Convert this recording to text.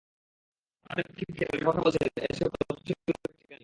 আড্ডার ফাঁকে ফাঁকে তাঁরা কথা বলেছেন এসব নতুন ছবির কয়েকটি গান নিয়েও।